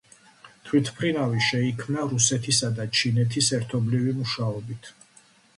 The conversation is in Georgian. თვითმფრინავი შეიქმნა რუსეთისა და ჩინეთის ერთობლივი მუშაობით.